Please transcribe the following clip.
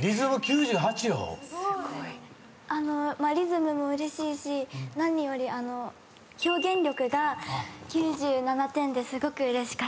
リズムもうれしいし何より表現力が９７点ですごくうれしかったです。